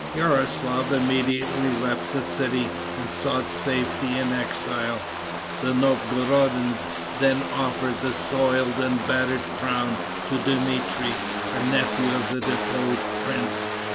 Yaroslaf immediately left the city and sought safety in exile. The Novgorodians then offered the soiled and battered crown to Dmitry, a nephew of the deposed prince.